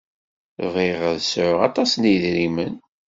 Bɣiɣ ad sɛuɣ aṭas n yedrimen.